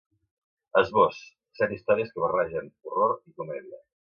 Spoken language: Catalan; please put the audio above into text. Esbós: Set històries que barregen horror i comèdia.